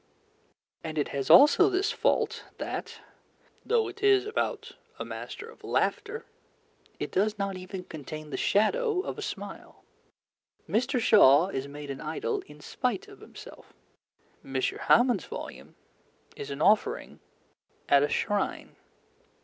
And it has also this fault that, though it is about a master of laughter, it does not contain even the shadow of a smile. Mr. Shaw is made an idol in spite of himself: M. Hamon's volume is an offering at a shrine.